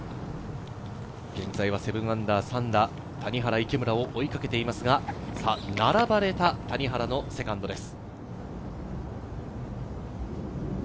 現在は−７、３打、谷原、池村を追いかけていますが、並ばれた谷原のセカンドです。